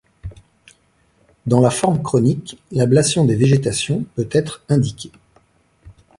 Dans la forme chronique, l’ablation des végétations peut être indiquée.